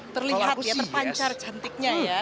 terlihat ya terpancar cantiknya ya